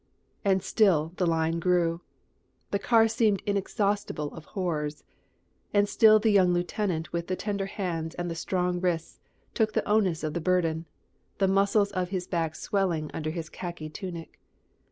And still the line grew. The car seemed inexhaustible of horrors. And still the young lieutenant with the tender hands and the strong wrists took the onus of the burden, the muscles of his back swelling under his khaki tunic.